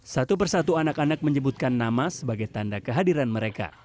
satu persatu anak anak menyebutkan nama sebagai tanda kehadiran mereka